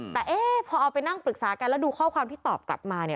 แต่พอเอาไปนั่งปรึกษากันแล้วดูข้อความที่ตอบกลับมาเนี่ย